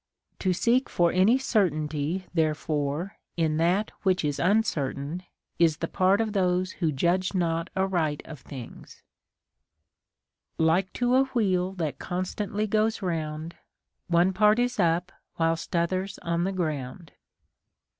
To seek for any certainty therefore in that which is uncertain is the part of those who judge not aright of things :— Like to a wheel that constantly goes round, One part is up whilst t'other's on the ground.